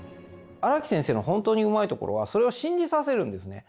荒木先生の本当にうまいところはそれを信じさせるんですね。